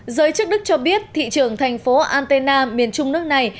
giới chức đức cho biết thị trưởng thành phố antena miền trung nước này